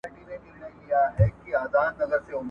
بل چا ته تمه کول بې ګټې دي.